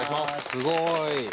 すごい。